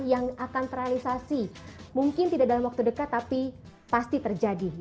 yang akan terrealisasi mungkin tidak dalam waktu dekat tapi pasti terjadi